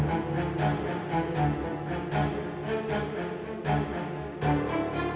cepet sembuh dan cepet pulang juga ke rumah ini ya kak